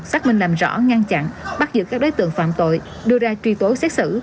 xác minh làm rõ ngăn chặn bắt giữ các đối tượng phạm tội đưa ra truy tố xét xử